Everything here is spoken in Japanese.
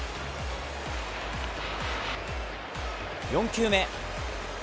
４球目。